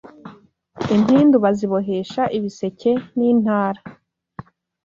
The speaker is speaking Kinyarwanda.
impindu bazibohesha ibiseke n’ Intara